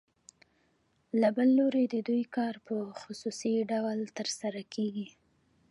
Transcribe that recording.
له بل لوري د دوی کار په خصوصي ډول ترسره کېږي